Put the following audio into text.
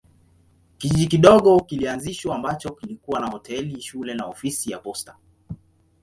Kijiji kidogo kilianzishwa ambacho kilikuwa na hoteli, shule na ofisi ya posta.